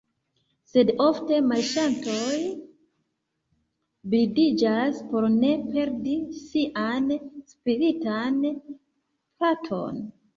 Sed ofte marŝantoj blindiĝas por ne perdi sian spiritan patron.